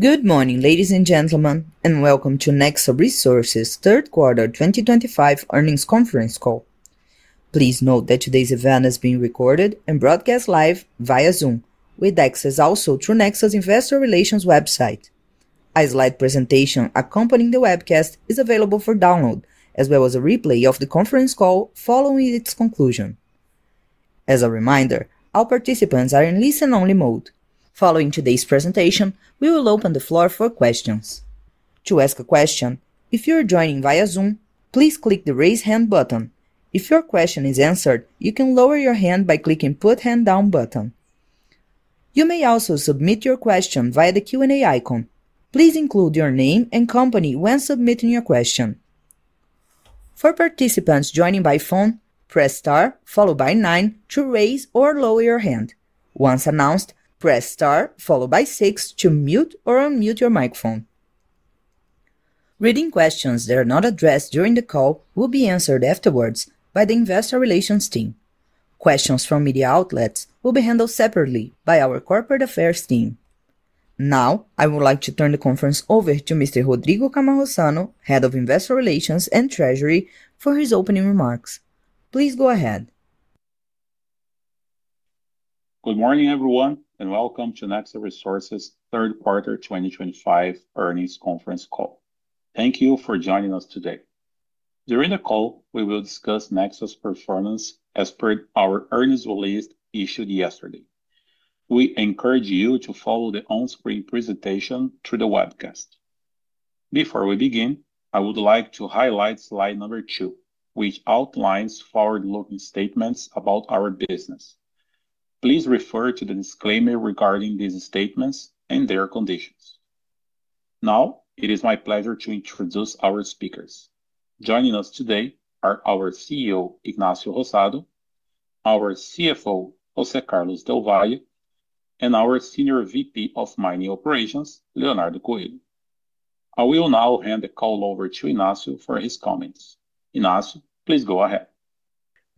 Good morning, ladies and gentlemen, and welcome to Nexa Resources' Third Quarter 2025 Earnings Conference Call. Please note that today's event is being recorded and broadcast live via Zoom, with access also through Nexa's Investor Relations website. A slide presentation accompanying the webcast is available for download, as well as a replay of the conference call following its conclusion. As a reminder, all participants are in listen-only mode. Following today's presentation, we will open the floor for questions. To ask a question, if you are joining via Zoom, please click the raise hand button. If your question is answered, you can lower your hand by clicking the put hand down button. You may also submit your question via the Q&A icon. Please include your name and company when submitting your question. For participants joining by phone, press star followed by nine to raise or lower your hand. Once announced, press star followed by six to mute or unmute your microphone. Questions that are not addressed during the call will be answered afterwards by the Investor Relations team. Questions from media outlets will be handled separately by our Corporate Affairs team. Now, I would like to turn the conference over to Mr. Rodrigo Cammarosano, Head of Investor Relations and Treasury, for his opening remarks. Please go ahead. Good morning, everyone, and welcome to Nexa Resources' Third Quarter 2025 Earnings Conference Call. Thank you for joining us today. During the call, we will discuss Nexa's performance as per our earnings release issued yesterday. We encourage you to follow the on-screen presentation through the webcast. Before we begin, I would like to highlight slide number two, which outlines forward-looking statements about our business. Please refer to the disclaimer regarding these statements and their conditions. Now, it is my pleasure to introduce our speakers. Joining us today are our CEO, Ignacio Rosado, our CFO, José Carlos del Valle, and our Senior VP of Mining Operations, Leonardo Coelho. I will now hand the call over to Ignacio for his comments. Ignacio, please go ahead.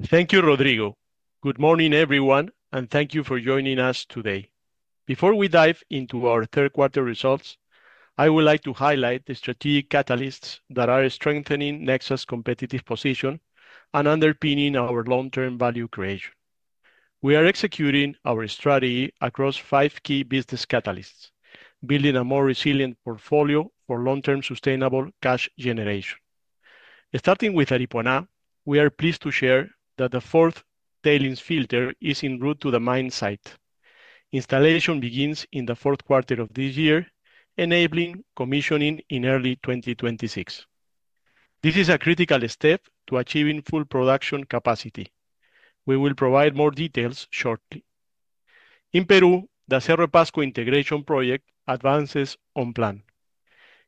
Thank you, Rodrigo. Good morning, everyone, and thank you for joining us today. Before we dive into our third quarter results, I would like to highlight the strategic catalysts that are strengthening Nexa's competitive position and underpinning our long-term value creation. We are executing our strategy across five key business catalysts, building a more resilient portfolio for long-term sustainable cash generation. Starting with Aripuanã, we are pleased to share that the fourth tailings filter is en route to the mine site. Installation begins in the fourth quarter of this year, enabling commissioning in early 2026. This is a critical step to achieving full production capacity. We will provide more details shortly. In Peru, the Cerro Pasco Integration Project advances on plan.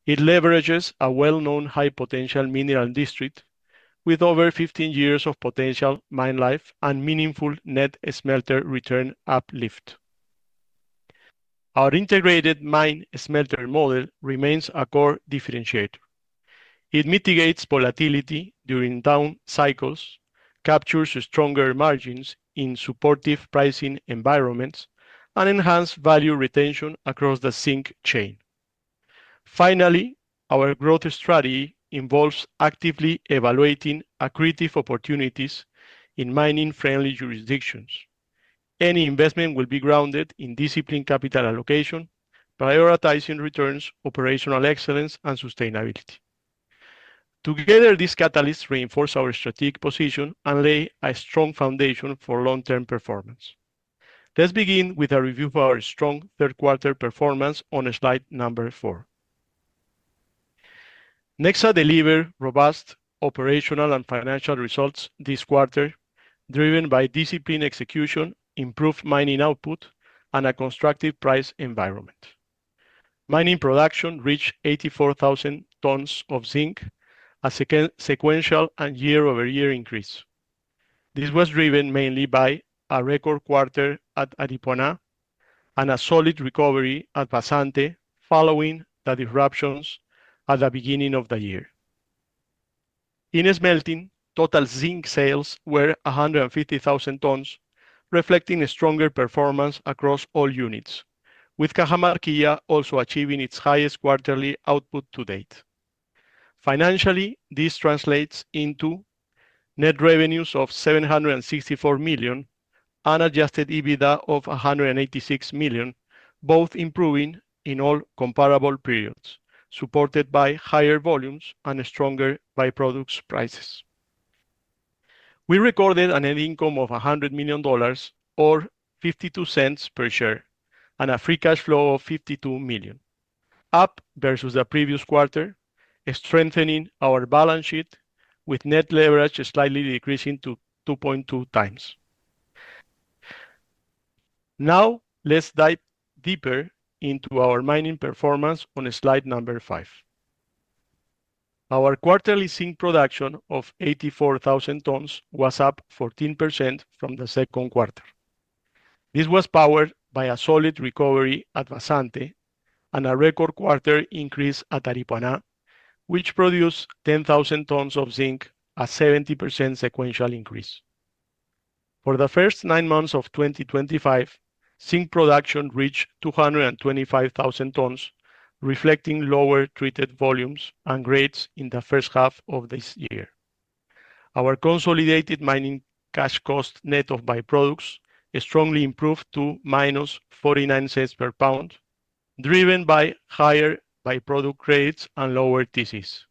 It leverages a well-known high-potential mineral district with over 15 years of potential mine life and meaningful net smelter return uplift. Our integrated mine-smelter model remains a core differentiator. It mitigates volatility during down cycles, captures stronger margins in supportive pricing environments, and enhances value retention across the zinc chain. Finally, our growth strategy involves actively evaluating accretive opportunities in mining-friendly jurisdictions. Any investment will be grounded in disciplined capital allocation, prioritizing returns, operational excellence, and sustainability. Together, these catalysts reinforce our strategic position and lay a strong foundation for long-term performance. Let's begin with a review of our strong third quarter performance on slide number four. Nexa delivered robust operational and financial results this quarter, driven by disciplined execution, improved mining output, and a constructive price environment. Mining production reached 84,000 tons of zinc, a sequential and year-over-year increase. This was driven mainly by a record quarter at Aripuanã and a solid recovery at Vazante following the disruptions at the beginning of the year. In smelting, total zinc sales were 150,000 tons, reflecting stronger performance across all units, with Cammaro also achieving its highest quarterly output to date. Financially, this translates into net revenues of $764 million and adjusted EBITDA of $186 million, both improving in all comparable periods, supported by higher volumes and stronger byproducts prices. We recorded a net income of $100 million, or $0.52 per share, and a free cash flow of $52 million, up versus the previous quarter, strengthening our balance sheet with net leverage slightly decreasing to 2.2 times. Now, let's dive deeper into our mining performance on slide number five. Our quarterly zinc production of 84,000 tons was up 14% from the second quarter. This was powered by a solid recovery at Vazante and a record quarter increase at Aripuanã, which produced 10,000 tons of zinc, a 70% sequential increase. For the first nine months of 2025, zinc production reached 225,000 tons, reflecting lower treated volumes and grades in the first half of this year. Our consolidated mining cash cost net of byproducts strongly improved to minus $0.49 per pound, driven by higher byproduct grades and lower TCs.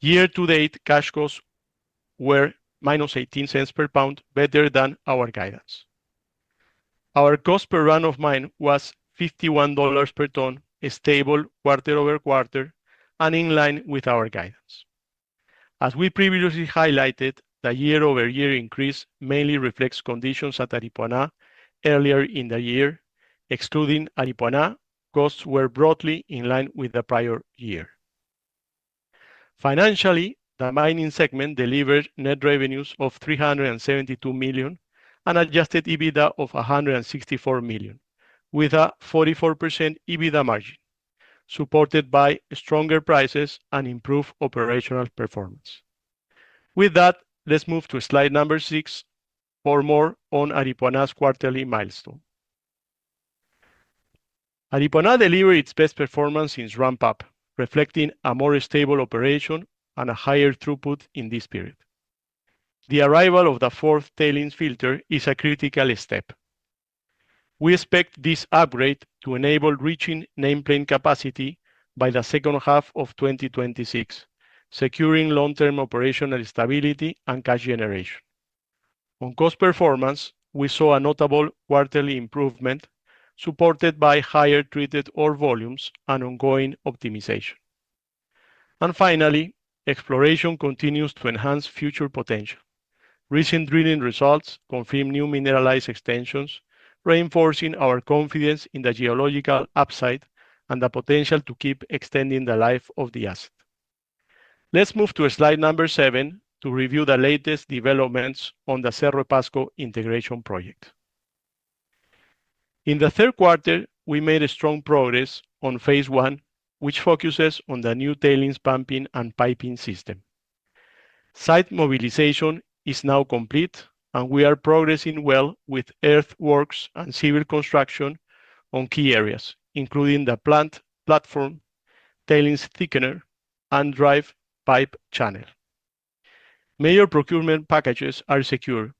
Year-to-date cash costs were minus $0.18 per pound, better than our guidance. Our cost per run of mine was $51 per ton, stable quarter over quarter, and in line with our guidance. As we previously highlighted, the year-over-year increase mainly reflects conditions at Aripuanã earlier in the year. Excluding Aripuanã, costs were broadly in line with the prior year. Financially, the mining segment delivered net revenues of $372 million and adjusted EBITDA of $164 million, with a 44% EBITDA margin, supported by stronger prices and improved operational performance. With that, let's move to slide number six for more on Aripuanã's quarterly milestone. Aripuanã delivered its best performance since ramp-up, reflecting a more stable operation and a higher throughput in this period. The arrival of the fourth tailings filter is a critical step. We expect this upgrade to enable reaching nameplate capacity by the second half of 2026, securing long-term operational stability and cash generation. On cost performance, we saw a notable quarterly improvement supported by higher treated ore volumes and ongoing optimization. Finally, exploration continues to enhance future potential. Recent drilling results confirm new mineralized extensions, reinforcing our confidence in the geological upside and the potential to keep extending the life of the asset. Let's move to slide number seven to review the latest developments on the Cerro Pasco Integration Project. In the third quarter, we made strong progress on phase one, which focuses on the new tailings pumping and piping system. Site mobilization is now complete, and we are progressing well with earthworks and civil construction on key areas, including the plant platform, tailings thickener, and drive pipe channel. Major procurement packages are secured,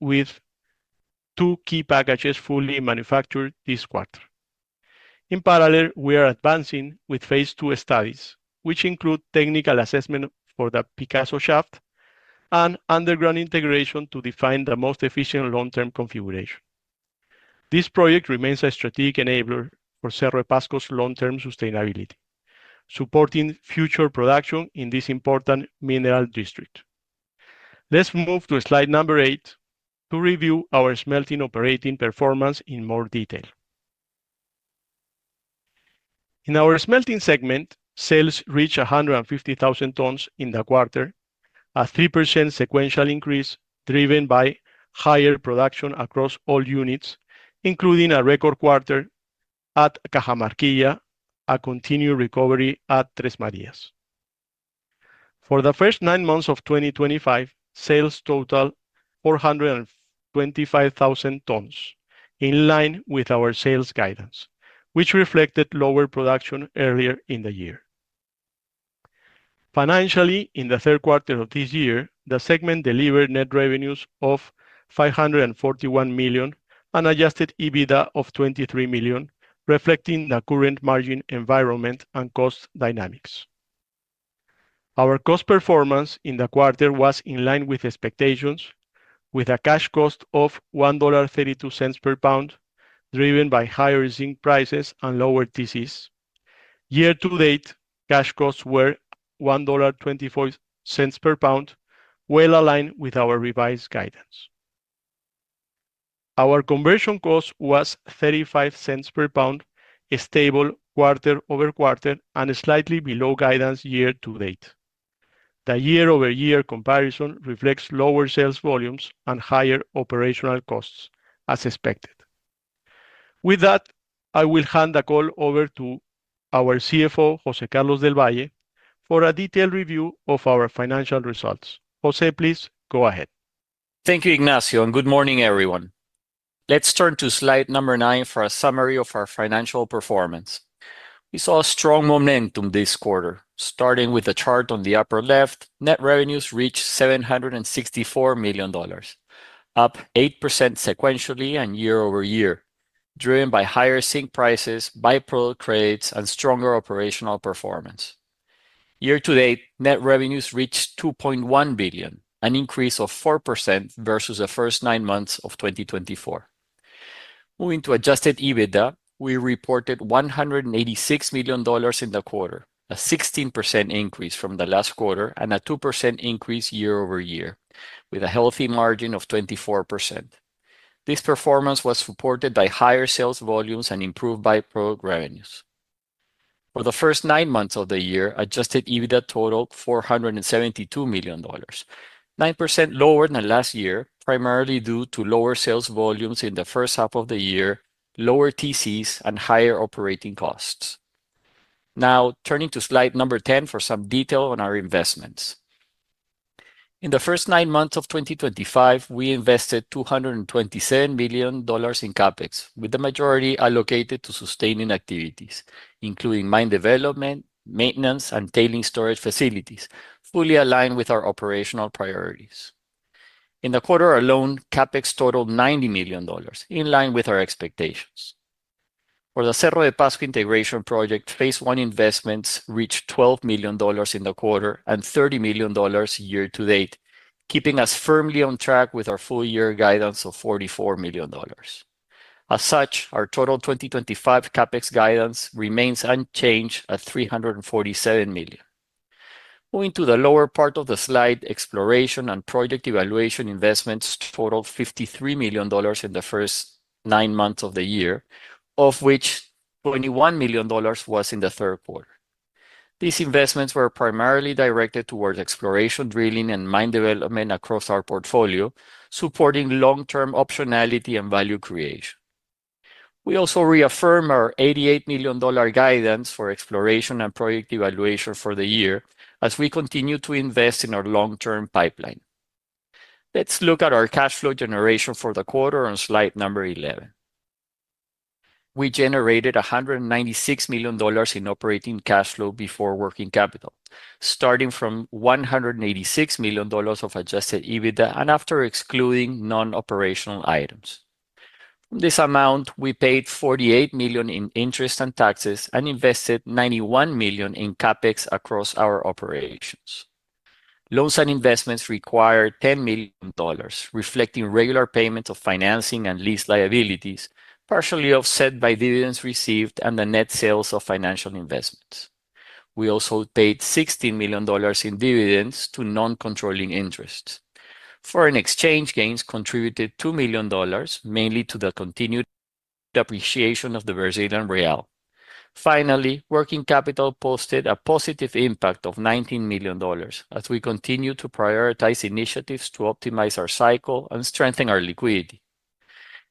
with two key packages fully manufactured this quarter. In parallel, we are advancing with phase two studies, which include technical assessment for the Picasso shaft and underground integration to define the most efficient long-term configuration. This project remains a strategic enabler for Cerro Pasco's long-term sustainability, supporting future production in this important mineral district. Let's move to slide number eight to review our smelting operating performance in more detail. In our smelting segment, sales reached 150,000 tons in the quarter, a 3% sequential increase driven by higher production across all units, including a record quarter at Cammaro and a continued recovery at Tres Marías. For the first nine months of 2025, sales totaled 425,000 tons, in line with our sales guidance, which reflected lower production earlier in the year. Financially, in the third quarter of this year, the segment delivered net revenues of $541 million and adjusted EBITDA of $23 million, reflecting the current margin environment and cost dynamics. Our cost performance in the quarter was in line with expectations, with a cash cost of $1.32 per pound, driven by higher zinc prices and lower TCs. Year-to-date cash costs were $1.24 per pound, well aligned with our revised guidance. Our conversion cost was $0.35 per pound, stable quarter-over-quarter and slightly below guidance year-to-date. The year-over-year comparison reflects lower sales volumes and higher operational costs, as expected. With that, I will hand the call over to our CFO, José Carlos del Valle, for a detailed review of our financial results. José, please go ahead. Thank you, Ignacio, and good morning, everyone. Let's turn to slide number nine for a summary of our financial performance. We saw strong momentum this quarter. Starting with the chart on the upper left, net revenues reached $764 million, up 8% sequentially and year-over-year, driven by higher zinc prices, byproduct credits, and stronger operational performance. Year-to-date, net revenues reached $2.1 billion, an increase of 4% versus the first nine months of 2024. Moving to adjusted EBITDA, we reported $186 million in the quarter, a 16% increase from the last quarter and a 2% increase year-over-year, with a healthy margin of 24%. This performance was supported by higher sales volumes and improved byproduct revenues. For the first nine months of the year, adjusted EBITDA totaled $472 million, 9% lower than last year, primarily due to lower sales volumes in the first half of the year, lower TCs, and higher operating costs. Now, turning to slide number 10 for some detail on our investments. In the first nine months of 2025, we invested $227 million in CapEx, with the majority allocated to sustaining activities, including mine development, maintenance, and tailings storage facilities, fully aligned with our operational priorities. In the quarter alone, CapEx totaled $90 million, in line with our expectations. For the Cerro Pasco Integration Project, phase one investments reached $12 million in the quarter and $30 million year-to-date, keeping us firmly on track with our full-year guidance of $44 million. As such, our total 2025 CapEx guidance remains unchanged at $347 million. Moving to the lower part of the slide, exploration and project evaluation investments totaled $53 million in the first nine months of the year, of which $21 million was in the third quarter. These investments were primarily directed towards exploration, drilling, and mine development across our portfolio, supporting long-term optionality and value creation. We also reaffirm our $88 million guidance for exploration and project evaluation for the year as we continue to invest in our long-term pipeline. Let's look at our cash flow generation for the quarter on slide number 11. We generated $196 million in operating cash flow before working capital, starting from $186 million of adjusted EBITDA and after excluding non-operational items. From this amount, we paid $48 million in interest and taxes and invested $91 million in CapEx across our operations. Loans and investments required $10 million, reflecting regular payments of financing and lease liabilities, partially offset by dividends received and the net sales of financial investments. We also paid $16 million in dividends to non-controlling interests. Foreign exchange gains contributed $2 million, mainly to the continued appreciation of the Brazilian real. Finally, working capital posted a positive impact of $19 million, as we continue to prioritize initiatives to optimize our cycle and strengthen our liquidity.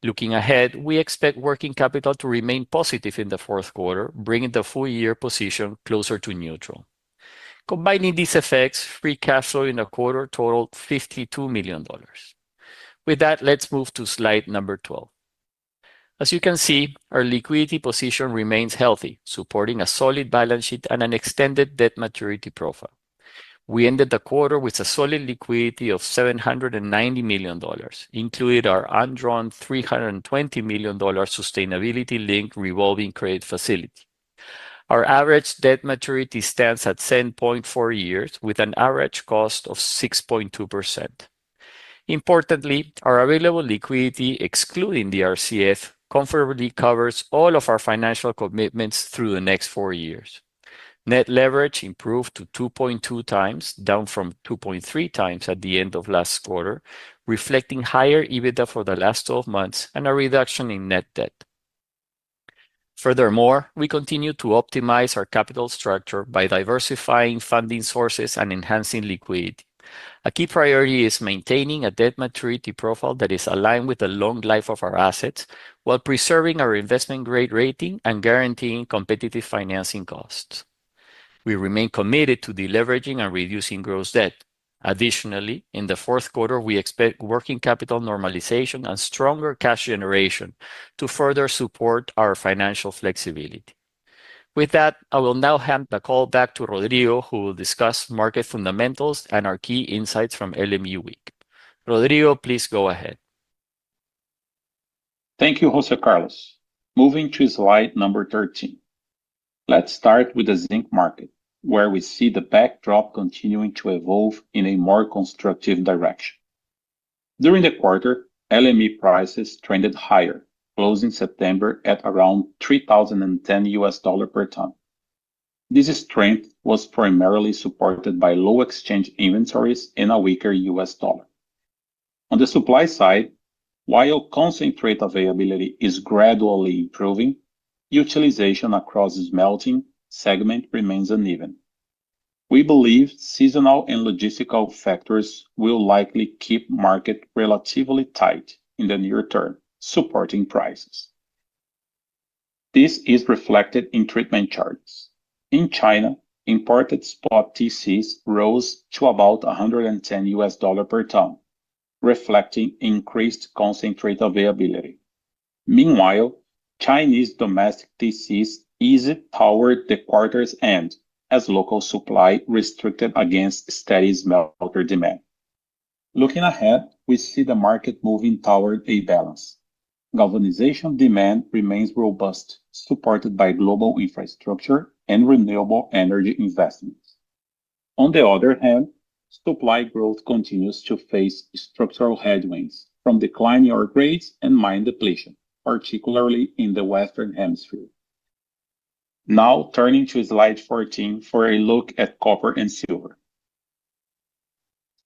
Looking ahead, we expect working capital to remain positive in the fourth quarter, bringing the full-year position closer to neutral. Combining these effects, free cash flow in the quarter totaled $52 million. With that, let's move to slide number 12. As you can see, our liquidity position remains healthy, supporting a solid balance sheet and an extended debt maturity profile. We ended the quarter with a solid liquidity of $790 million, including our undrawn $320 million sustainability-linked revolving credit facility. Our average debt maturity stands at 7.4 years, with an average cost of 6.2%. Importantly, our available liquidity, excluding the RCF, comfortably covers all of our financial commitments through the next four years. Net leverage improved to 2.2 times, down from 2.3 times at the end of last quarter, reflecting higher EBITDA for the last 12 months and a reduction in net debt. Furthermore, we continue to optimize our capital structure by diversifying funding sources and enhancing liquidity. A key priority is maintaining a debt maturity profile that is aligned with the long life of our assets while preserving our investment grade rating and guaranteeing competitive financing costs. We remain committed to deleveraging and reducing gross debt. Additionally, in the fourth quarter, we expect working capital normalization and stronger cash generation to further support our financial flexibility. With that, I will now hand the call back to Rodrigo, who will discuss market fundamentals and our key insights from LME Week. Rodrigo, please go ahead. Thank you, José Carlos. Moving to slide number 13. Let's start with the zinc market, where we see the backdrop continuing to evolve in a more constructive direction. During the quarter, LME prices trended higher, closing September at around $3,010 per ton. This strength was primarily supported by low exchange inventories and a weaker U.S. dollar. On the supply side, while concentrate availability is gradually improving, utilization across the smelting segment remains uneven. We believe seasonal and logistical factors will likely keep markets relatively tight in the near term, supporting prices. This is reflected in treatment charges. In China, imported spot TCs rose to about $110 per ton, reflecting increased concentrate availability. Meanwhile, Chinese domestic TCs eased toward the quarter's end as local supply restricted against steady smelter demand. Looking ahead, we see the market moving toward a balance. Galvanization demand remains robust, supported by global infrastructure and renewable energy investments. On the other hand, supply growth continues to face structural headwinds from declining ore grades and mine depletion, particularly in the Western Hemisphere. Now, turning to slide 14 for a look at copper and silver.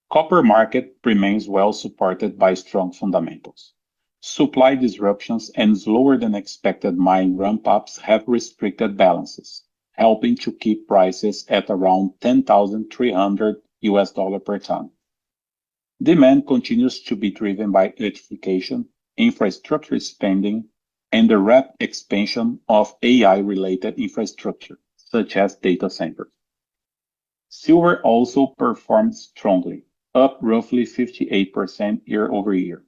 The copper market remains well supported by strong fundamentals. Supply disruptions and slower-than-expected mine ramp-ups have restricted balances, helping to keep prices at around $10,300 per ton. Demand continues to be driven by electrification, infrastructure spending, and the rapid expansion of AI-related infrastructure, such as data centers. Silver also performed strongly, up roughly 58% year-over-year.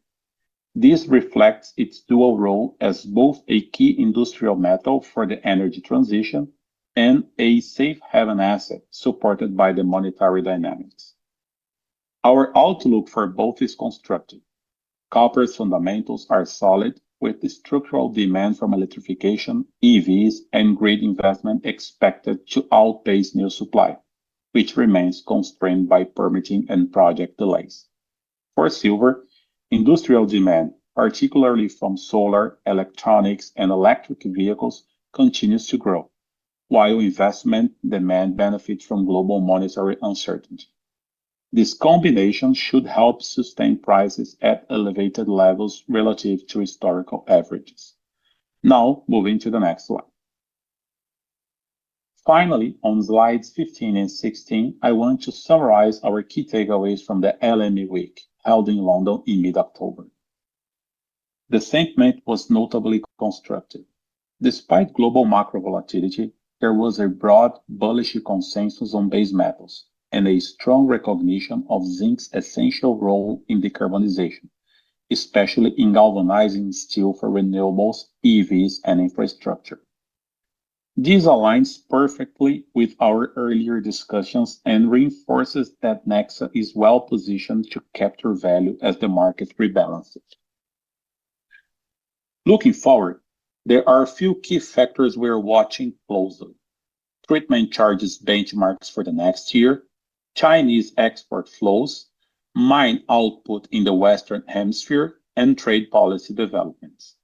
This reflects its dual role as both a key industrial metal for the energy transition and a safe-haven asset supported by the monetary dynamics. Our outlook for both is constructive. Copper's fundamentals are solid, with structural demand from electrification, EVs, and grid investment expected to outpace new supply, which remains constrained by permitting and project delays. For silver, industrial demand, particularly from solar, electronics, and electric vehicles, continues to grow, while investment demand benefits from global monetary uncertainty. This combination should help sustain prices at elevated levels relative to historical averages. Now, moving to the next slide. Finally, on slides 15 and 16, I want to summarize our key takeaways from the LME Week held in London in mid-October. The segment was notably constructive. Despite global macro volatility, there was a broad bullish consensus on base metals and a strong recognition of zinc's essential role in decarbonization, especially in galvanizing steel for renewables, EVs, and infrastructure. This aligns perfectly with our earlier discussions and reinforces that Nexa is well positioned to capture value as the market rebalances. Looking forward, there are a few key factors we're watching closely: treatment charges benchmarks for the next year, Chinese export flows, mine output in the Western Hemisphere, and trade policy developments.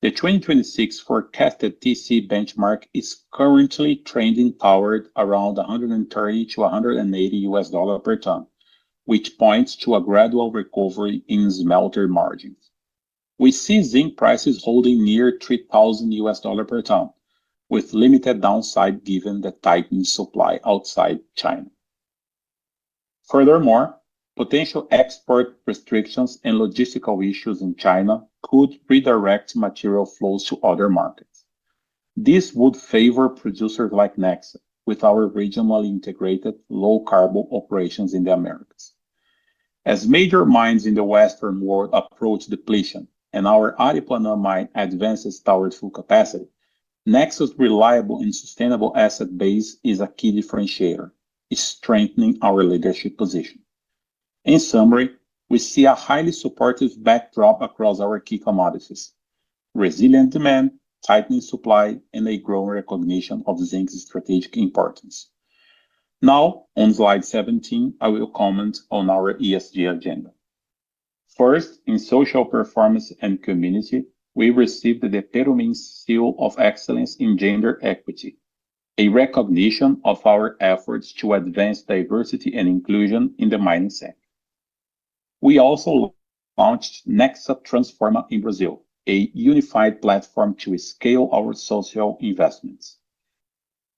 The 2026 forecasted TC benchmark is currently trending toward around $130-$180 per ton, which points to a gradual recovery in smelter margins. We see zinc prices holding near $3,000 per ton, with limited downside given the tightening supply outside China. Furthermore, potential export restrictions and logistical issues in China could redirect material flows to other markets. This would favor producers like Nexa, with our regionally integrated low-carbon operations in the Americas. As major mines in the Western world approach depletion and our Aripuanã mine advances towards full capacity, Nexa's reliable and sustainable asset base is a key differentiator, strengthening our leadership position. In summary, we see a highly supportive backdrop across our key commodities: resilient demand, tightening supply, and a growing recognition of zinc's strategic importance. Now, on slide 17, I will comment on our ESG agenda. First, in social performance and community, we received the DePeromines Seal of Excellence in Gender Equity, a recognition of our efforts to advance diversity and inclusion in the mining sector. We also launched Nexa Transforma in Brazil, a unified platform to scale our social investments.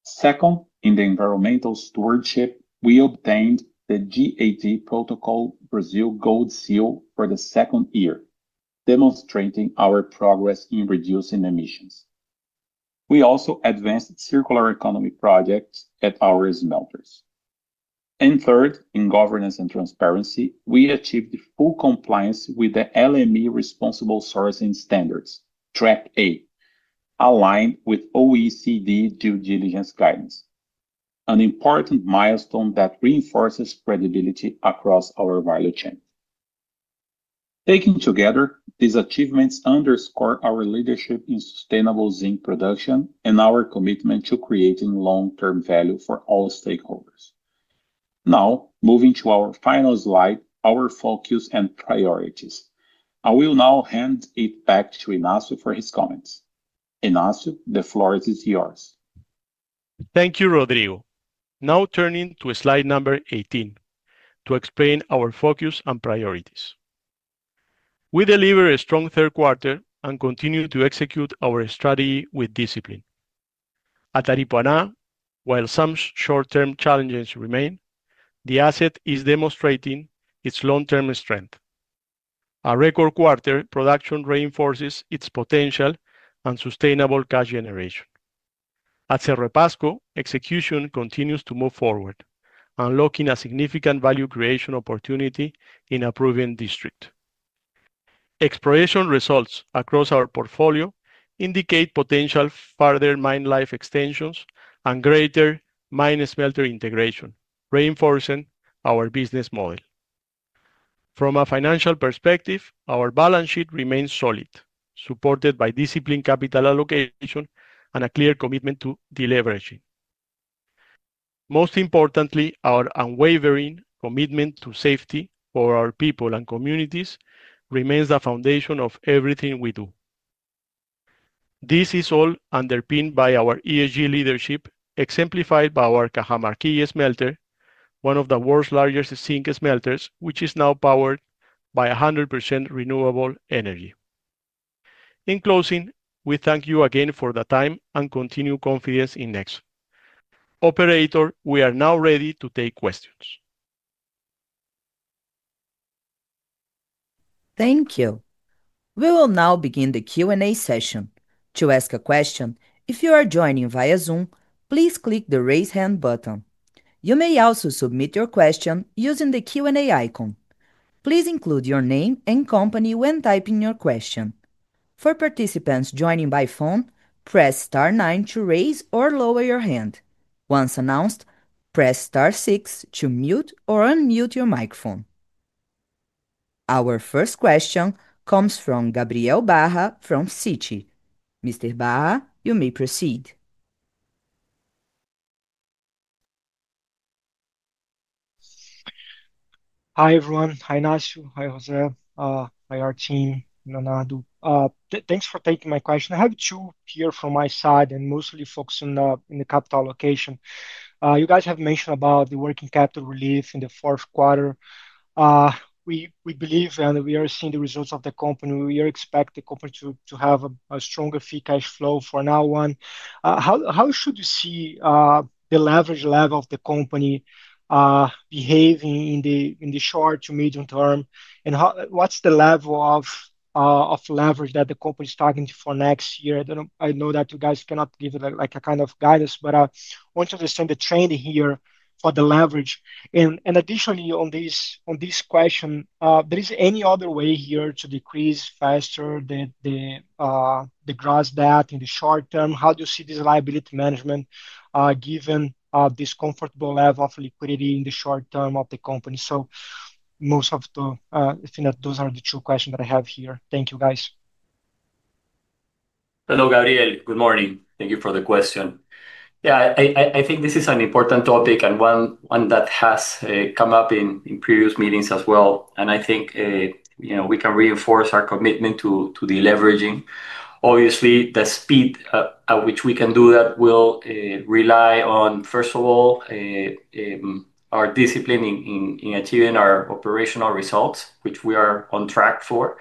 Second, in environmental stewardship, we obtained the GAT Protocol Brazil Gold Seal for the second year, demonstrating our progress in reducing emissions. We also advanced circular economy projects at our smelters. Third, in governance and transparency, we achieved full compliance with the LME Responsible Sourcing Standards, Track A, aligned with OECD due diligence guidance. This is an important milestone that reinforces credibility across our value chain. Taken together, these achievements underscore our leadership in sustainable zinc production and our commitment to creating long-term value for all stakeholders. Now, moving to our final slide, our focus and priorities. I will now hand it back to Ignacio for his comments. Ignacio, the floor is yours. Thank you, Rodrigo. Now, turning to slide number 18 to explain our focus and priorities. We deliver a strong third quarter and continue to execute our strategy with discipline. At Aripuanã, while some short-term challenges remain, the asset is demonstrating its long-term strength. Our record quarter production reinforces its potential and sustainable cash generation. At Cerro Pasco, execution continues to move forward, unlocking a significant value creation opportunity in a proven district. Exploration results across our portfolio indicate potential further mine life extensions and greater mine-smelter integration, reinforcing our business model. From a financial perspective, our balance sheet remains solid, supported by disciplined capital allocation and a clear commitment to deleveraging. Most importantly, our unwavering commitment to safety for our people and communities remains the foundation of everything we do. This is all underpinned by our ESG leadership, exemplified by our Cajamarquilla smelter, one of the world's largest zinc smelters, which is now powered by 100% renewable energy. In closing, we thank you again for the time and continued confidence in Nexa. Operator, we are now ready to take questions. Thank you. We will now begin the Q&A session. To ask a question, if you are joining via Zoom, please click the raise hand button. You may also submit your question using the Q&A icon. Please include your name and company when typing your question. For participants joining by phone, press star nine to raise or lower your hand. Once announced, press star six to mute or unmute your microphone. Our first question comes from Gabriel Barra from Siti. Mr. Barra, you may proceed. Hi everyone. Hi Ignacio, hi José, hi our team, Leonardo. Thanks for taking my question. I have two here from my side and mostly focusing on the capital allocation. You guys have mentioned about the working capital relief in the fourth quarter. We believe and we are seeing the results of the company. We expect the company to have a stronger free cash flow for now on. How should you see the leverage level of the company behaving in the short to medium term, and what's the level of leverage that the company is targeting for next year? I know that you guys cannot give it like a kind of guidance, but I want to understand the trend here for the leverage. Additionally, on this question, is there any other way here to decrease faster the gross debt in the short term? How do you see this liability management given this comfortable level of liquidity in the short term of the company? Those are the two questions that I have here. Thank you, guys. Hello, Gabriel. Good morning. Thank you for the question. I think this is an important topic and one that has come up in previous meetings as well. I think we can reinforce our commitment to deleveraging. Obviously, the speed at which we can do that will rely on, first of all, our discipline in achieving our operational results, which we are on track for.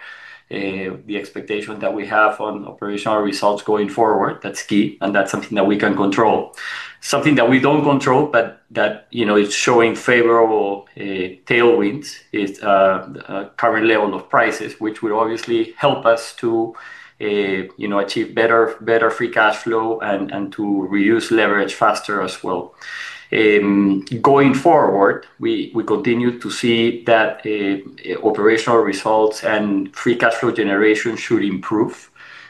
The expectation that we have on operational results going forward, that's key, and that's something that we can control. Something that we don't control, but that is showing favorable tailwinds, is the current level of prices, which will obviously help us to achieve better free cash flow and to reduce leverage faster as well. Going forward, we continue to see that operational results and free cash flow generation should improve,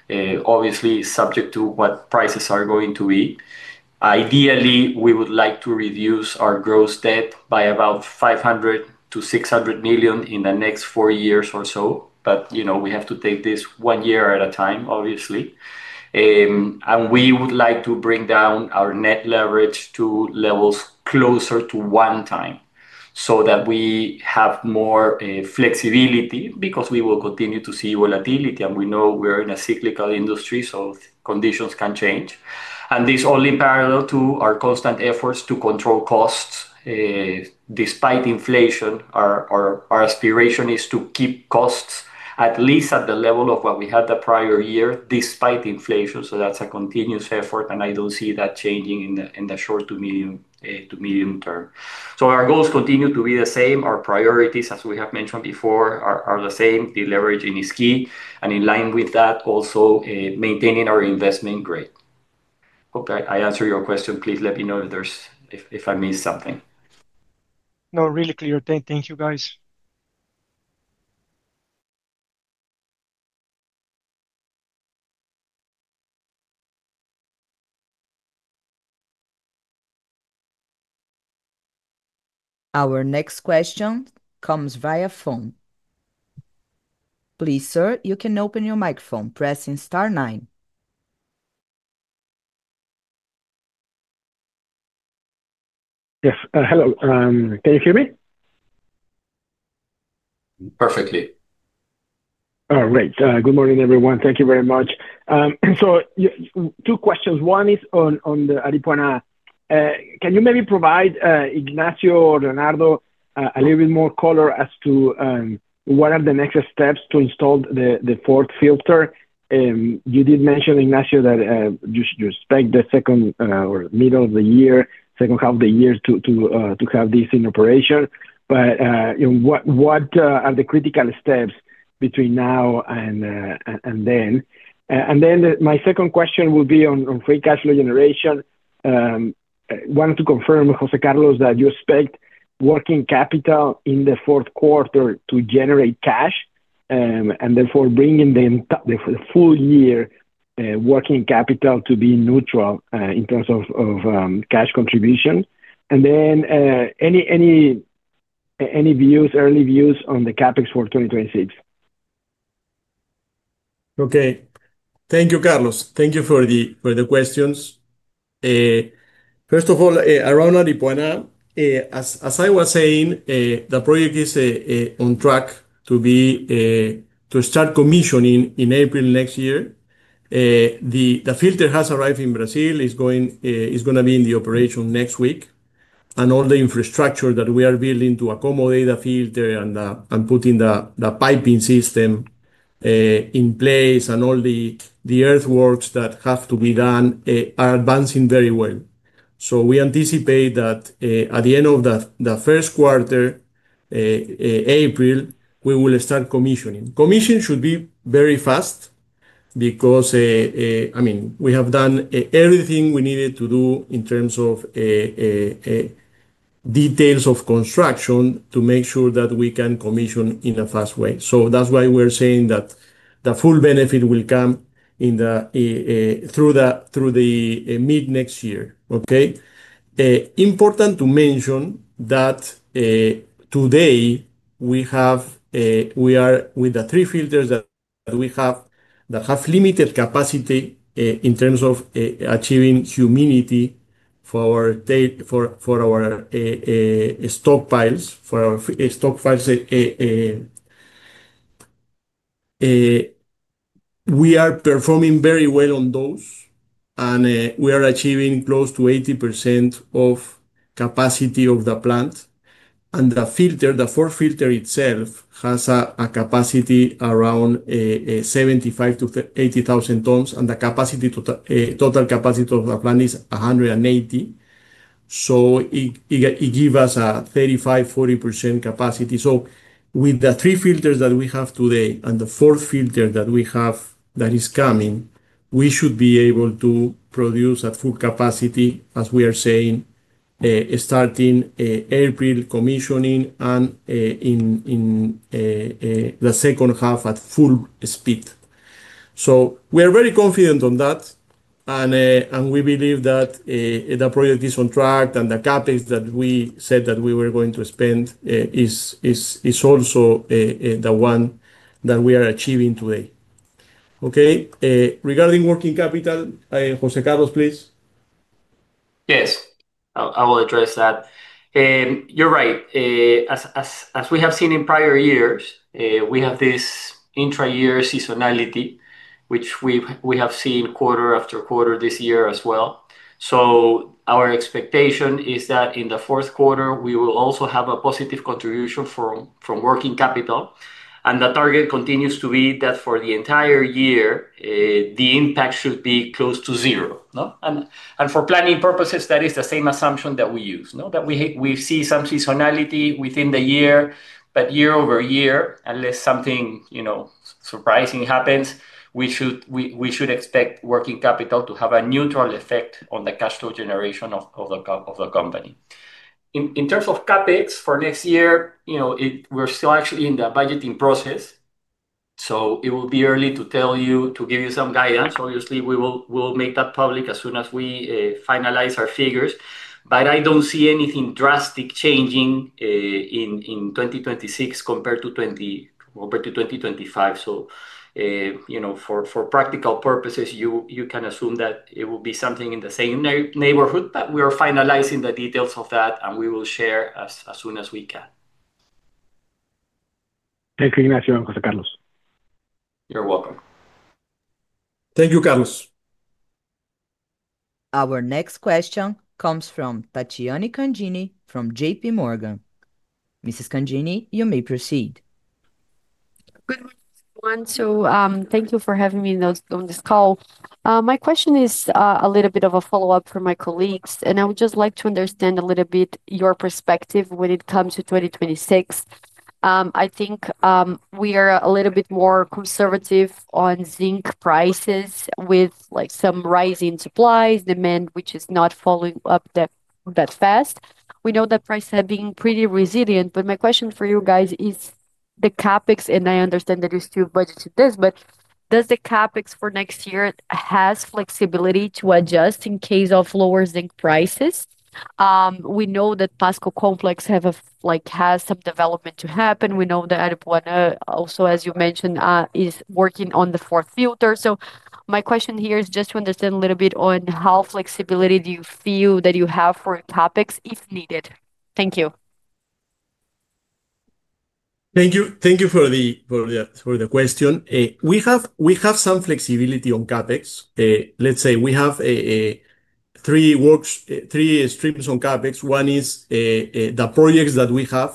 obviously subject to what prices are going to be. Ideally, we would like to reduce our gross debt by about $500-$600 million in the next four years or so, but we have to take this one year at a time, obviously. We would like to bring down our net leverage to levels closer to one time so that we have more flexibility because we will continue to see volatility. We know we're in a cyclical industry, so conditions can change. This is only parallel to our constant efforts to control costs. Despite inflation, our aspiration is to keep costs at least at the level of what we had the prior year despite inflation. That's a continuous effort, and I don't see that changing in the short to medium term. Our goals continue to be the same. Our priorities, as we have mentioned before, are the same. Deleveraging is key, and in line with that, also maintaining our investment grade. Hope I answered your question. Please let me know if I missed something. No, really clear. Thank you, guys. Our next question comes via phone. Please, sir, you can open your microphone by pressing star nine. Yes, hello. Can you hear me? Perfectly. All right. Good morning, everyone. Thank you very much. Two questions. One is on Aripuanã. Can you maybe provide, Ignacio or Leonardo, a little bit more color as to what are the next steps to install the fourth filter? You did mention, Ignacio, that you expect the second or middle of the year, second half of the year to have this in operation. What are the critical steps between now and then? My second question will be on free cash flow generation. I want to confirm, José Carlos, that you expect working capital in the fourth quarter to generate cash, therefore bringing the full year working capital to be neutral in terms of cash contribution. Any early views on the CapEx for 2026? Okay. Thank you, Carlos. Thank you for the questions. First of all, around Aripuanã, as I was saying, the project is on track to start commissioning in April next year. The filter has arrived in Brazil. It's going to be in the operation next week, and all the infrastructure that we are building to accommodate the filter and putting the piping system in place and all the earthworks that have to be done are advancing very well. We anticipate that at the end of the first quarter, April, we will start commissioning. Commission should be very fast because we have done everything we needed to do in terms of details of construction to make sure that we can commission in a fast way. That's why we're saying that the full benefit will come through the mid next year. Important to mention that today, we are with the three filters that we have that have limited capacity in terms of achieving humidity for our stockpiles. We are performing very well on those, and we are achieving close to 80% of capacity of the plant. The filter, the fourth filter itself, has a capacity around 75,000-80,000 tons, and the total capacity of the plant is 180,000. It gives us a 35%-40% capacity. With the three filters that we have today and the fourth filter that we have that is coming, we should be able to produce at full capacity, as we are saying, starting April commissioning and in the second half at full speed. We are very confident on that, and we believe that the project is on track, and the CapEx that we said that we were going to spend is also the one that we are achieving today. Okay? Regarding working capital, José Carlos, please. Yes. I will address that. You're right. As we have seen in prior years, we have this intra-year seasonality, which we have seen quarter after quarter this year as well. Our expectation is that in the fourth quarter, we will also have a positive contribution from working capital. The target continues to be that for the entire year, the impact should be close to zero. For planning purposes, that is the same assumption that we use. We see some seasonality within the year, but year over year, unless something surprising happens, we should expect working capital to have a neutral effect on the cash flow generation of the company. In terms of CapEx for next year, we're still actually in the budgeting process. It will be early to give you some guidance. Obviously, we will make that public as soon as we finalize our figures. I don't see anything drastic changing in 2026 compared to 2025. For practical purposes, you can assume that it will be something in the same neighborhood, but we are finalizing the details of that, and we will share as soon as we can. Thank you, Ignacio, and José Carlos. You're welcome. Thank you, Carlos. Our next question comes from Tatiana Congini from J.P. Morgan. Mrs. Congini, you may proceed. Good morning, everyone. Thank you for having me on this call. My question is a little bit of a follow-up for my colleagues, and I would just like to understand a little bit your perspective when it comes to 2026. I think we are a little bit more conservative on zinc prices with some rising supply demand, which is not following up that fast. We know that prices have been pretty resilient, but my question for you guys is the CapEx, and I understand that you still budgeted this, but does the CapEx for next year have flexibility to adjust in case of lower zinc prices? We know that Cerro Pasco has some development to happen. We know that Aripuanã, also, as you mentioned, is working on the fourth filter. My question here is just to understand a little bit on how flexibility do you feel that you have for CapEx if needed. Thank you. Thank you for the question. We have some flexibility on CapEx. Let's say we have three streams on CapEx. One is the projects that we have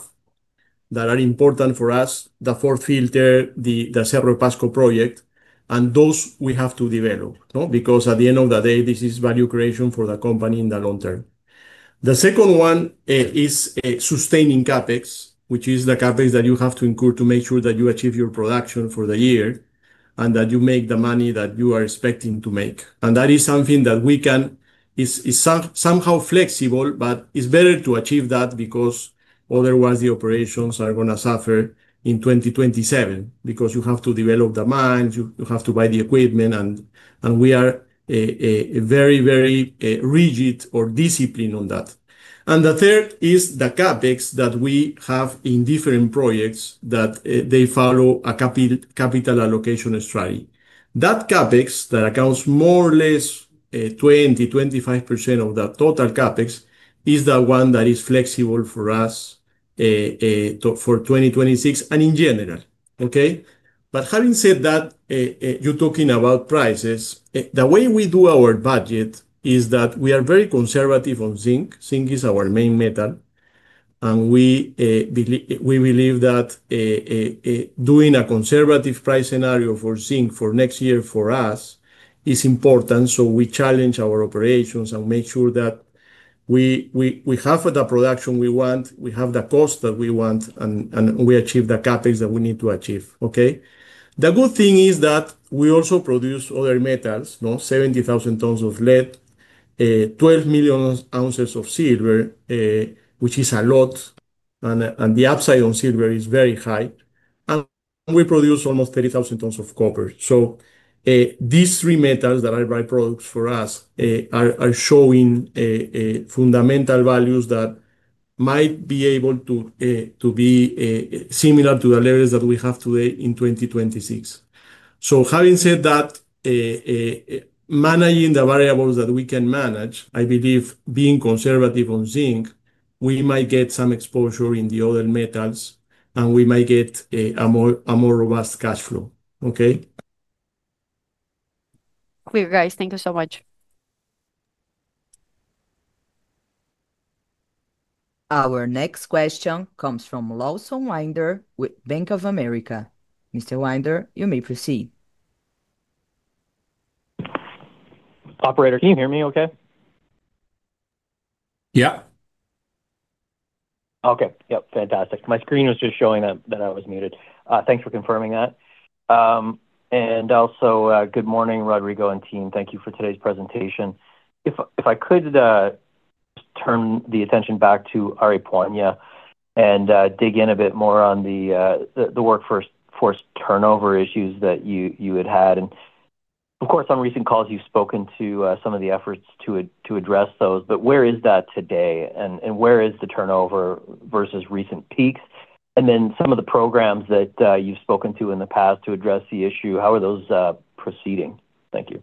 that are important for us, the fourth filter, the Cerro Pasco Integration Project, and those we have to develop because at the end of the day, this is value creation for the company in the long term. The second one is sustaining CapEx, which is the CapEx that you have to incur to make sure that you achieve your production for the year and that you make the money that you are expecting to make. That is something that is somehow flexible, but it's better to achieve that because otherwise the operations are going to suffer in 2027 because you have to develop the mines, you have to buy the equipment, and we are very, very rigid or disciplined on that. The third is the CapEx that we have in different projects that follow a capital allocation strategy. That CapEx that accounts more or less 20%-25% of the total CapEx is the one that is flexible for us for 2026 and in general. Okay? Having said that, you're talking about prices. The way we do our budget is that we are very conservative on zinc. Zinc is our main metal. We believe that doing a conservative price scenario for zinc for next year for us is important. We challenge our operations and make sure that we have the production we want, we have the cost that we want, and we achieve the CapEx that we need to achieve. Okay? The good thing is that we also produce other metals, 70,000 tons of lead, 12 million ounces of silver, which is a lot, and the upside on silver is very high. We produce almost 30,000 tons of copper. These three metals that are byproducts for us are showing fundamental values that might be able to be similar to the levels that we have today in 2026. Having said that, managing the variables that we can manage, I believe being conservative on zinc, we might get some exposure in the other metals, and we might get a more robust cash flow. Okay? Clear, guys. Thank you so much. Our next question comes from Lawson Winder with BofA Securities. Mr. Winder, you may proceed. Operator, can you hear me okay? Yeah. Okay. Fantastic. My screen was just showing that I was muted. Thanks for confirming that. Good morning, Rodrigo and team. Thank you for today's presentation. If I could just turn the attention back to Aripuanã and dig in a bit more on the workforce turnover issues that you had had. Of course, on recent calls, you've spoken to some of the efforts to address those. Where is that today? Where is the turnover versus recent peaks? Some of the programs that you've spoken to in the past to address the issue, how are those proceeding? Thank you.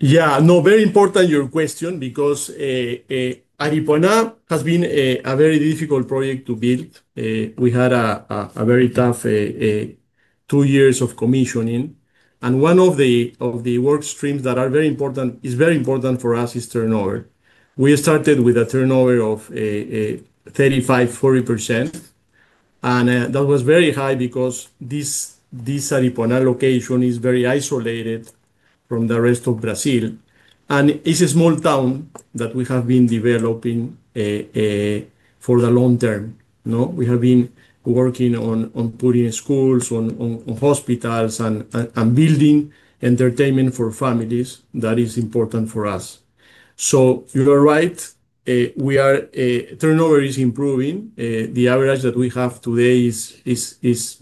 Yeah. No, very important your question because Aripuanã has been a very difficult project to build. We had a very tough two years of commissioning. One of the work streams that is very important for us is turnover. We started with a turnover of 35, 40%, and that was very high because this Aripuanã location is very isolated from the rest of Brazil. It's a small town that we have been developing for the long term. We have been working on putting schools, on hospitals, and building entertainment for families. That is important for us. You are right, turnover is improving. The average that we have today is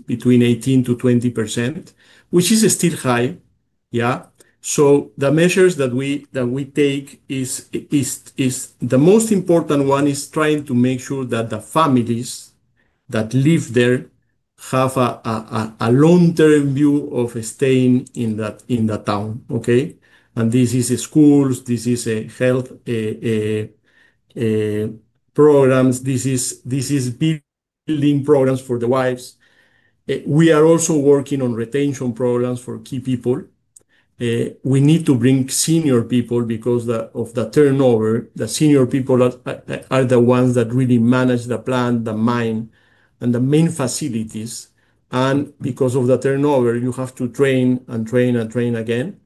between 18%-20%, which is still high. The measures that we take is the most important one is trying to make sure that the families that live there have a long-term view of staying in the town. This is schools, this is health programs, this is building programs for the wives. We are also working on retention programs for key people. We need to bring senior people because of the turnover. The senior people are the ones that really manage the plant, the mine, and the main facilities. Because of the turnover, you have to train and train and train again.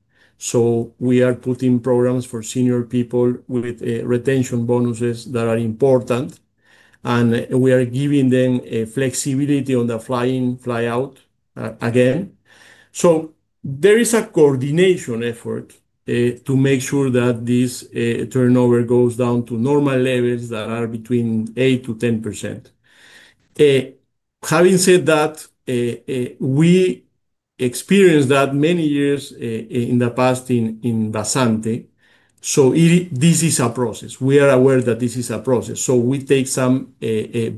We are putting programs for senior people with retention bonuses that are important. We are giving them flexibility on the fly-in, fly-out again. There is a coordination effort to make sure that this turnover goes down to normal levels that are between 8%-10%. Having said that, we experienced that many years in the past in Vazante. This is a process. We are aware that this is a process. We take some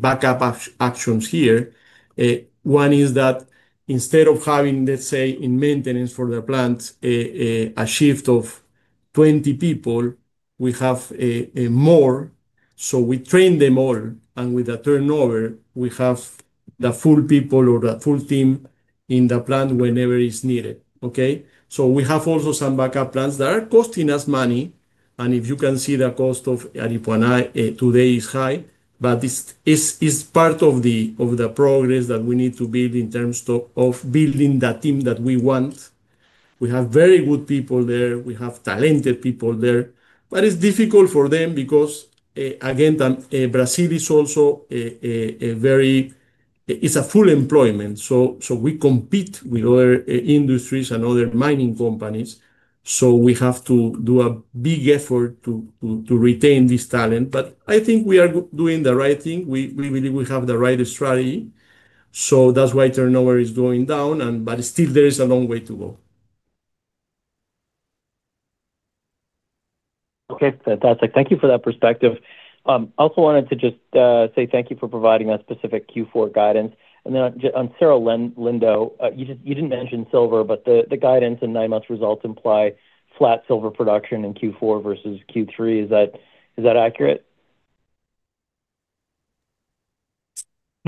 backup actions here. One is that instead of having, let's say, in maintenance for the plant, a shift of 20 people, we have more. We train them all, and with the turnover, we have the full people or the full team in the plant whenever it's needed. We have also some backup plans that are costing us money. If you can see, the cost of Aripuanã today is high, but it's part of the progress that we need to build in terms of building the team that we want. We have very good people there. We have talented people there. It's difficult for them because, again, Brazil is also a very full employment. We compete with other industries and other mining companies. We have to do a big effort to retain this talent. I think we are doing the right thing. We believe we have the right strategy. That's why turnover is going down, but still, there is a long way to go. Okay. Fantastic. Thank you for that perspective. I also wanted to just say thank you for providing that specific Q4 guidance. On Cerro Lindo, you didn't mention silver, but the guidance and NIMAS results imply flat silver production in Q4 versus Q3. Is that accurate?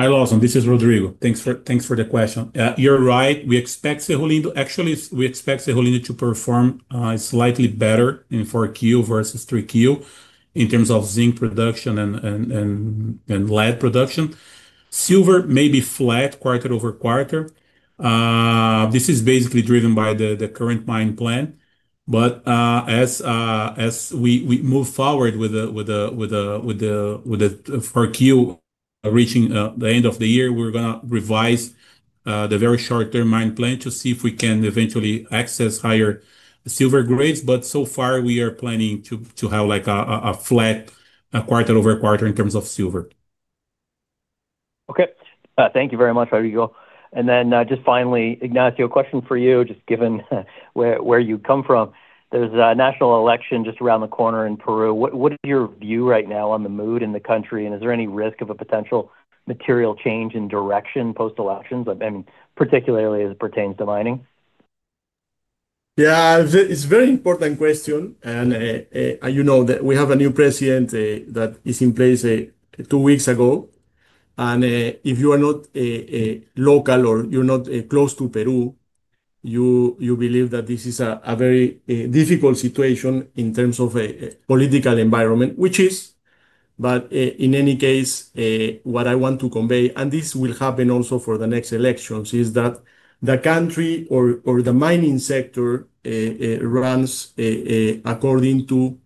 Hi Lawson, this is Rodrigo. Thanks for the question. You're right. We expect Cerro Lindo to perform slightly better in 4Q versus 3Q in terms of zinc production and lead production. Silver may be flat quarter over quarter. This is basically driven by the current mine plan. As we move forward with the 4Q reaching the end of the year, we're going to revise the very short-term mine plan to see if we can eventually access higher silver grades. So far, we are planning to have a flat quarter over quarter in terms of silver. Thank you very much, Rodrigo. Finally, Ignacio, a question for you, just given where you come from. There's a national election just around the corner in Peru. What is your view right now on the mood in the country? Is there any risk of a potential material change in direction post-elections, particularly as it pertains to mining? Yeah, it's a very important question. We have a new president that is in place two weeks ago. If you are not local or you're not close to Peru, you believe that this is a very difficult situation in terms of a political environment, which it is. In any case, what I want to convey, and this will happen also for the next elections, is that the country or the mining sector runs according to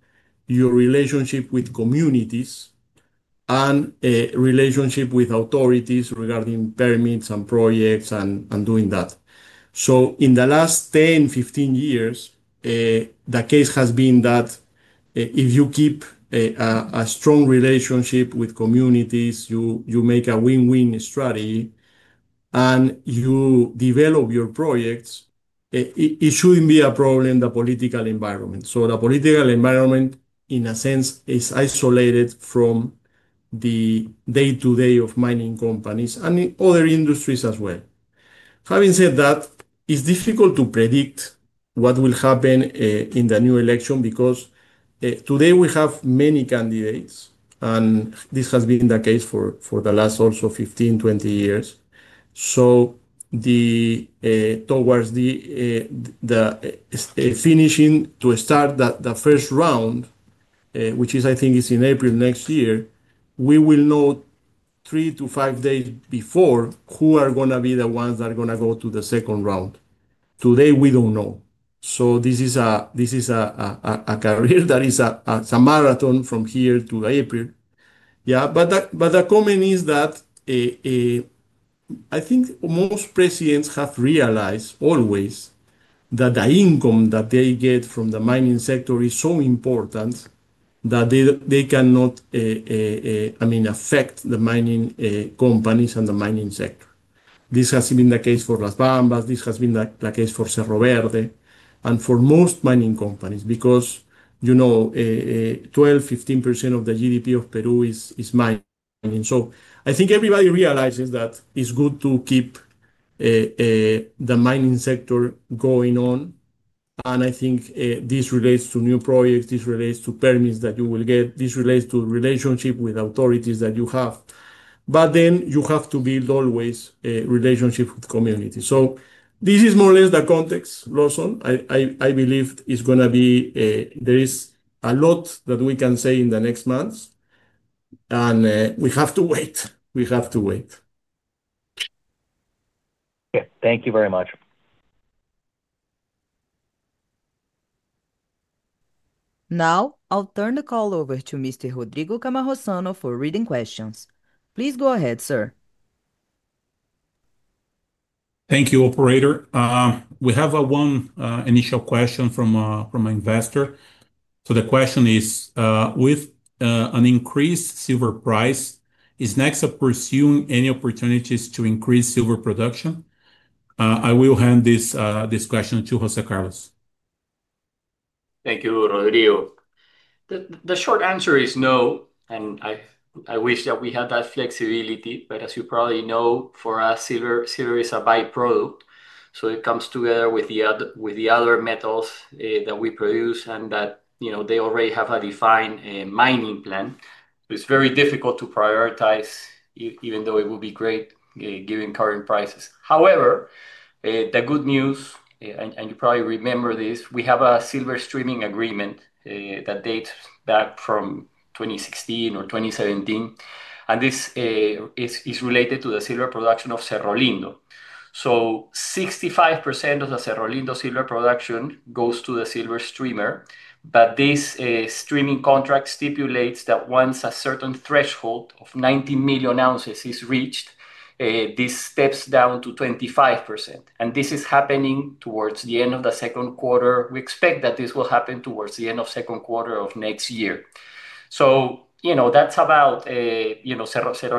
your relationship with communities and relationship with authorities regarding permits and projects and doing that. In the last 10, 15 years, the case has been that if you keep a strong relationship with communities, you make a win-win strategy and you develop your projects, it shouldn't be a problem in the political environment. The political environment, in a sense, is isolated from the day-to-day of mining companies and other industries as well. Having said that, it's difficult to predict what will happen in the new election because today we have many candidates, and this has been the case for the last also 15, 20 years. Towards finishing to start the first round, which I think is in April next year, we will know three to five days before who are going to be the ones that are going to go to the second round. Today, we don't know. This is a career that is a marathon from here to April. The comment is that I think most presidents have realized always that the income that they get from the mining sector is so important that they cannot affect the mining companies and the mining sector. This has been the case for Las Bambas, this has been the case for Cerro Verde and for most mining companies because 12, 15% of the GDP of Peru is mining. I think everybody realizes that it's good to keep the mining sector going on. I think this relates to new projects, this relates to permits that you will get, this relates to relationship with authorities that you have, but then you have to build always relationships with communities. This is more or less the context, Lawson. I believe it's going to be, there is a lot that we can say in the next months. We have to wait. We have to wait. Okay, thank you very much. Now, I'll turn the call over to Mr. Rodrigo Cammarosano for reading questions. Please go ahead, sir. Thank you, Operator. We have one initial question from an investor. The question is, with an increased silver price, is Nexa Resources pursuing any opportunities to increase silver production? I will hand this question to José Carlos. Thank you, Rodrigo. The short answer is no. I wish that we had that flexibility. As you probably know, for us, silver is a byproduct. It comes together with the other metals that we produce, and they already have a defined mining plan. It's very difficult to prioritize, even though it would be great given current prices. However, the good news, and you probably remember this, we have a silver streaming agreement that dates back from 2016 or 2017. This is related to the silver production of Cerro Lindo. 65% of the Cerro Lindo silver production goes to the silver streamer. This streaming contract stipulates that once a certain threshold of 90 million ounces is reached, this steps down to 25%. This is happening towards the end of the second quarter. We expect that this will happen towards the end of the second quarter of next year. Cerro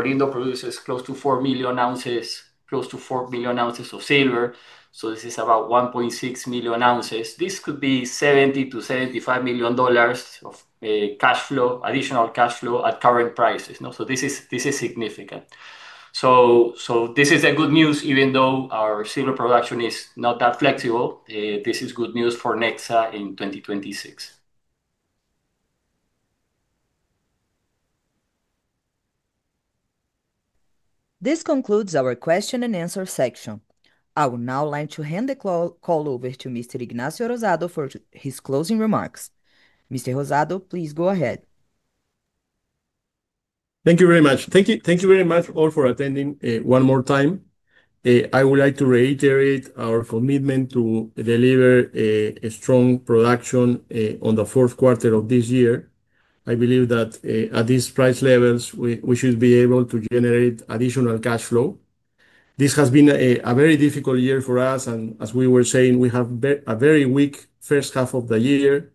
Lindo produces close to 4 million ounces, close to 4 million ounces of silver. This is about 1.6 million ounces. This could be $70-$75 million of additional cash flow at current prices. This is significant. This is good news, even though our silver production is not that flexible. This is good news for Nexa Resources in 2026. This concludes our question and answer section. I would now like to hand the call over to Mr. Ignacio Rosado for his closing remarks. Mr. Rosado, please go ahead. Thank you very much. Thank you very much all for attending one more time. I would like to reiterate our commitment to deliver a strong production on the fourth quarter of this year. I believe that at these price levels, we should be able to generate additional cash flow. This has been a very difficult year for us. As we were saying, we have a very weak first half of the year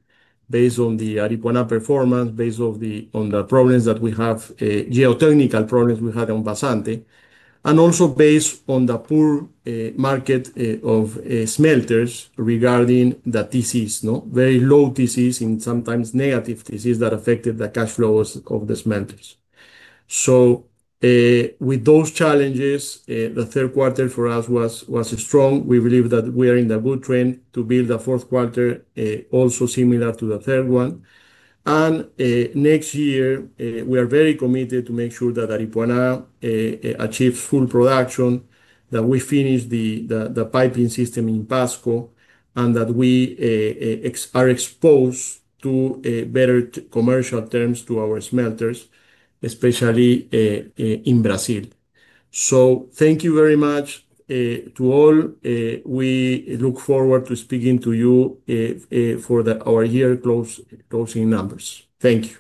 based on the Aripuanã performance, based on the geotechnical problems we had in Vazante, and also based on the poor market of smelters regarding the TCs, very low TCs and sometimes negative TCs that affected the cash flows of the smelters. With those challenges, the third quarter for us was strong. We believe that we are in the good trend to build a fourth quarter, also similar to the third one. Next year, we are very committed to make sure that Aripuanã achieves full production, that we finish the piping system in Cerro Pasco, and that we are exposed to better commercial terms to our smelters, especially in Brazil. Thank you very much to all. We look forward to speaking to you for our year-closing numbers. Thank you.